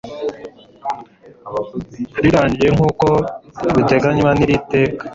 rirangiye nk uko biteganywa n iri teka